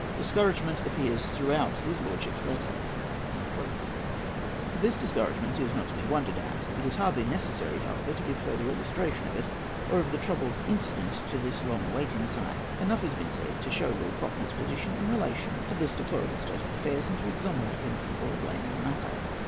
Discouragement appears throughout his lordship's letter." The discouragement is not to be wondered at. It is hardly necessary, however, to give further illustration of it, or of the troubles incident to this long waiting time. Enough has been said to show Lord Cochrane's position in relation to this deplorable state of affairs, and to exonerate him from all blame in the matter.